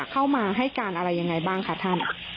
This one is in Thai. เข้ามาให้การอะไรยังไงบ้างคะท่าน